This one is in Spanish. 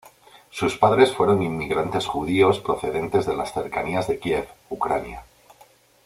Sus padres fueron inmigrantes judíos procedentes de las cercanías de Kiev, Ucrania.